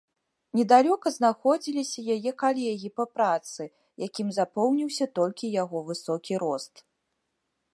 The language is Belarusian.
Недалёка знаходзіліся яе калегі па працы, якім запомніўся толькі яго высокі рост.